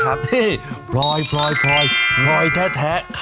โอ้โหพี่ป้องครับ